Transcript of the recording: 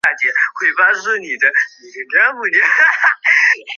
母翟氏。